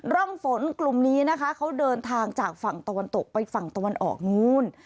ร่องฝนกลุ่มนี้นะคะเขาเดินทางจากฝั่งตะวันตกไปฝั่งตะวันออกนู้น